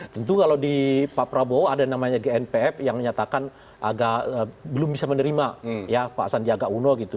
tentu kalau di pak prabowo ada namanya gnpf yang menyatakan agak belum bisa menerima ya pak sandiaga uno gitu